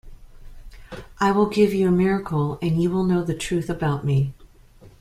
I will give you a miracle and you will know the truth about me.